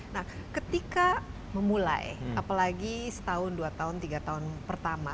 nah ketika memulai apalagi setahun dua tahun tiga tahun pertama